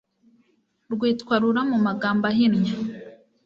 rwitwa rura mu magambo ahinnye